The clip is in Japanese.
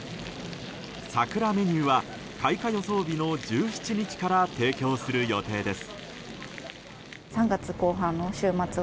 桜メニューは開花予想日の１７日から提供する予定です。